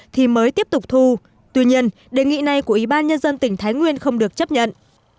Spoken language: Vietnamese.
thì mới tiếp tục thu tuy nhiên đề nghị này của ủy ban nhân dân tỉnh thái nguyên không được chấp nhận